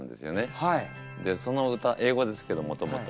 でその歌英語ですけどもともとは。